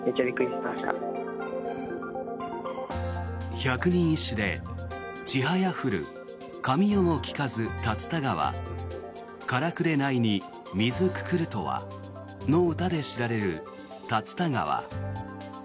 百人一首、「千早ぶる神代もきかず竜田川からくれなゐに水くくるとは」の歌で知られる竜田川。